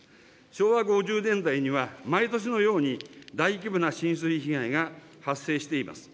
昭和５０年台には毎年のように大規模な浸水被害が発生しています。